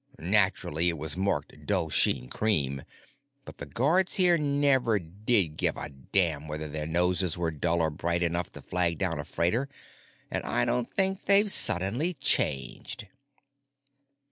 Naturally it was marked Dulsheen Creme, but the guards here never did give a damn whether their noses were dull or bright enough to flag down a freighter and I don't think they've suddenly changed.